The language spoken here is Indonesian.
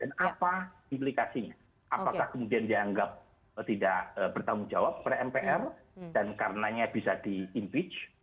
dan apa implikasinya apakah kemudian dianggap tidak bertanggung jawab oleh mpr dan karenanya bisa diimpeach